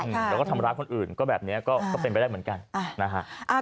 แล้วก็ทำร้ายคนอื่นก็แบบนี้ก็เป็นไปได้เหมือนกันนะฮะ